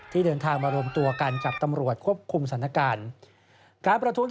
เดินทางมารวมตัวกันกับตำรวจควบคุมสถานการณ์